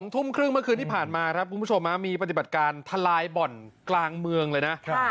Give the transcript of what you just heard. ทุ่มครึ่งเมื่อคืนที่ผ่านมาครับคุณผู้ชมมีปฏิบัติการทลายบ่อนกลางเมืองเลยนะ